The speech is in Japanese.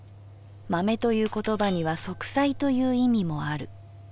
まめという言葉には息災という意味もある。